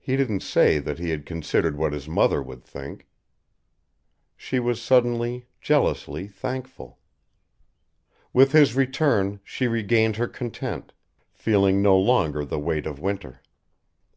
He didn't say that he had considered what his mother would think. She was suddenly, jealously, thankful. With his return she regained her content, feeling no longer the weight of winter.